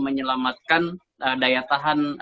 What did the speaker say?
menyelamatkan daya tahan